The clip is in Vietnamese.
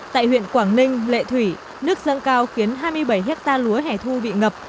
tại huyện quảng ninh lệ thủy nước dâng cao khiến hai mươi bảy hectare lúa hẻ thu bị ngập